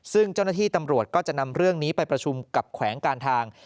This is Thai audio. ซึ่งเจ้าหน้าที่ตำรวจก็จะนำเรื่องนี้ไปประชุมกับแขวงการทาง